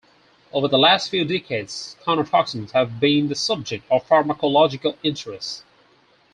Over the last few decades conotoxins have been the subject of pharmacological interest.